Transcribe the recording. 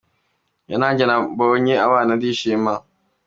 Iyo nanjye mbonye abana ndishima.